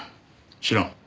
知らん。